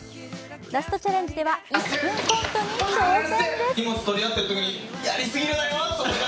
ラストチャレンジでは、１分コントに挑戦です。